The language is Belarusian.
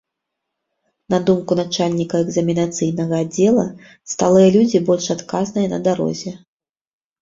На думку начальніка экзаменацыйнага аддзела, сталыя людзі больш адказныя на дарозе.